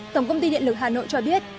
tổng công ty điện lực hà nội cho biết